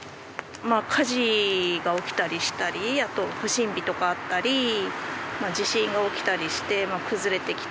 火事が起きたりしたりあと不審火とかあったり地震が起きたりして崩れてきて。